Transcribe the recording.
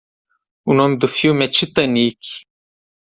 O nome do filme é Titanic.